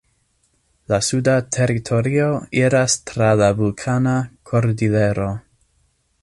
La suda teritorio iras tra la Vulkana Kordilero.